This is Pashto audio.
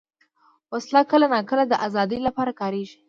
وسله کله ناکله د ازادۍ لپاره کارېږي